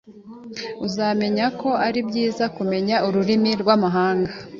Uzabona ko ari byiza kumenya ururimi rwamahanga.